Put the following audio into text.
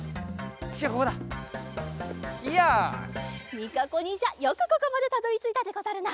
みかこにんじゃよくここまでたどりついたでござるな！